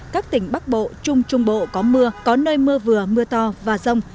các tỉnh bắc bộ trung trung bộ có mưa có nơi mưa vừa mưa to và rông